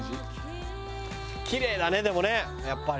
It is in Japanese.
キレイだねでもねやっぱり。